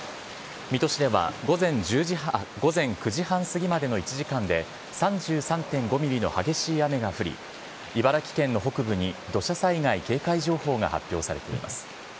水戸市では午前９時半過ぎまでの１時間で、３３．５ミリの激しい雨が降り、茨城県の北部に土砂災害警戒情報が発表されています。